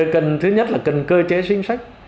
cần thứ nhất là cần cơ chế sinh sách